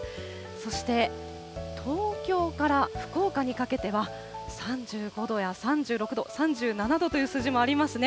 そして東京から福岡にかけては、３５度や３６度、３７度という数字もありますね。